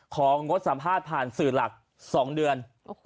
งดสัมภาษณ์ผ่านสื่อหลัก๒เดือน